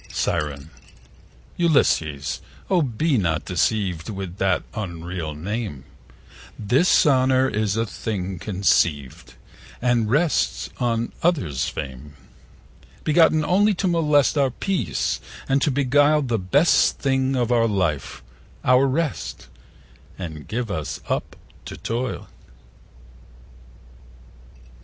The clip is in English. Siren.Ulysses, O be not deceived With that unreal name; This honour is a thing conceived, And rests on others' fame: 20 Begotten only to molest Our peace, and to beguile The best thing of our life—our rest, And give us up to toil.